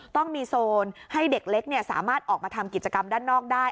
ต้องมีโซนให้เด็กเล็กสามารถออกมาทำกิจกรรมด้านนอกได้